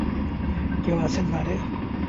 কেউ আছেন বারে?